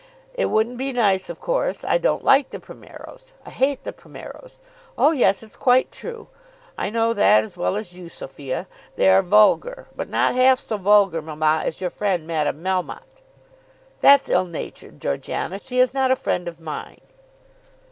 It wouldn't be nice of course. I don't like the Primeros. I hate the Primeros. Oh yes; it's quite true; I know that as well as you, Sophia; they are vulgar; but not half so vulgar, mamma, as your friend Madame Melmotte." "That's ill natured, Georgiana. She is not a friend of mine."